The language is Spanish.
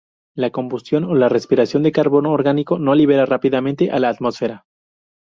La combustión o la respiración de carbono orgánico lo libera rápidamente a la atmósfera.